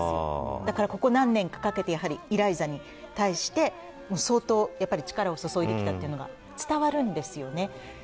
だから、ここ何年かかけてイライザに対して相当、力を注いできたというのが伝わるんですよね。